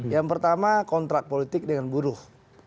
yang pertama kontrak politik dengan buruh